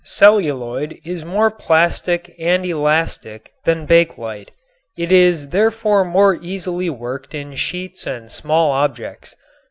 Celluloid is more plastic and elastic than bakelite. It is therefore more easily worked in sheets and small objects.